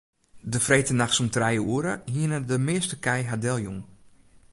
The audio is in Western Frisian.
De freedtenachts om trije oere hiene de measte kij har deljûn.